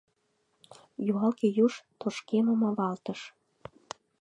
Юалге юж тошкемым авалтыш.